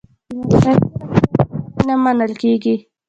د مصنوعي ځیرکتیا لیکنې نه منل کیږي.